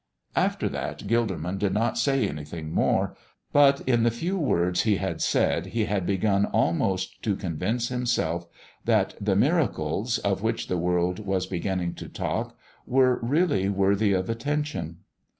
After that, Gilderman did not say anything more. But in the few words he had said he had begun almost to convince himself that the miracles of which the world was beginning to talk were really worthy of attention.